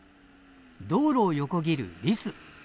道路を横切るリス。